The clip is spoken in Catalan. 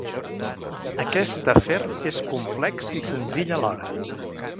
Aquest afer és complex i senzill alhora.